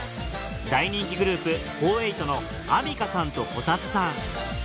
大人気グループフォーエイト４８のあみかさんとこたつさん